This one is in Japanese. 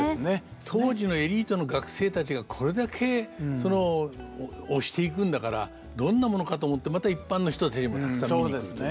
当時のエリートの学生たちがこれだけ推していくんだからどんなものかと思ってまた一般の人たちもたくさん見に来るという。